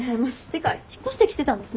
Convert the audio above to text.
てか引っ越してきてたんですね。